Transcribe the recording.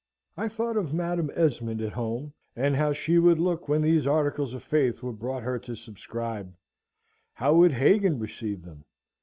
I thought of Madam Esmond at home, and how she would look when these articles of faith were brought her to subscribe; how would Hagan receive them?